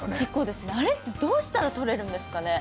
あれってどうしたら取れるんですかね？